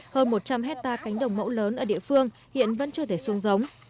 hơn một trăm linh hectare cánh đồng mẫu lớn ở địa phương hiện vẫn chưa thể xuống giống